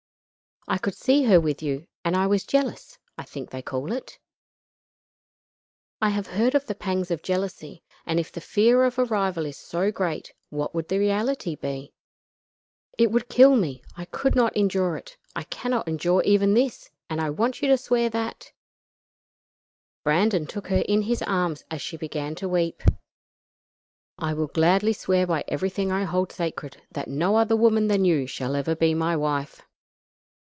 I could see her with you, and I was jealous I think they call it. I have heard of the pangs of jealousy, and if the fear of a rival is so great what would the reality be? It would kill me; I could not endure it. I cannot endure even this, and I want you to swear that " Brandon took her in his arms as she began to weep. "I will gladly swear by everything I hold sacred that no other woman than you shall ever be my wife.